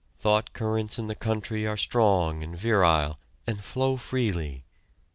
Thought currents in the country are strong and virile, and flow freely.